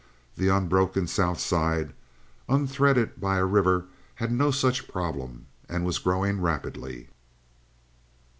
The unbroken South Side, unthreaded by a river, had no such problem, and was growing rapidly.